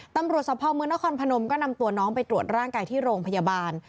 สภาพเมืองนครพนมก็นำตัวน้องไปตรวจร่างกายที่โรงพยาบาล